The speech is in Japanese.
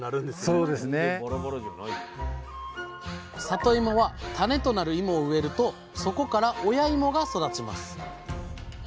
さといもは種となるいもを植えるとそこから親いもが育ちます。